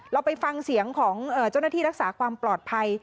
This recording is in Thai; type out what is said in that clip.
เราไปฟังเสียงของเจ้าหน้าที่รักษาความปลอดภัย